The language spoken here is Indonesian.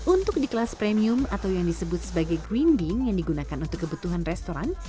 untuk di kelas premium atau yang disebut sebagai green bean yang digunakan untuk kebutuhan restoran